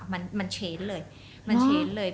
มันสำเร็จเลย